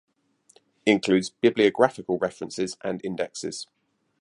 Includes bibliographical references and indexes.